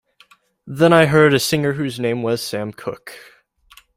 Then I heard a singer whose name was Sam Cooke.